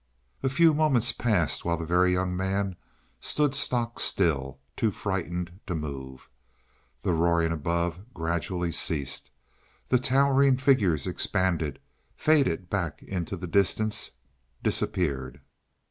A few moments passed while the Very Young Man stood stock still, too frightened to move. The roaring above gradually ceased. The towering figures expanded faded back into the distance disappeared.